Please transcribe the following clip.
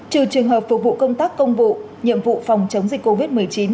trừ trường hợp phục vụ công tác công vụ nhiệm vụ phòng chống dịch covid một mươi chín